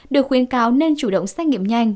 được khuyên cáo nên chủ động xét nghiệm nhanh